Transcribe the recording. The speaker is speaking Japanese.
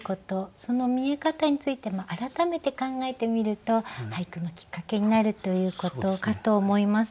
その見え方についても改めて考えてみると俳句のきっかけになるということかと思います。